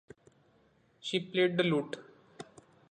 She played the lute.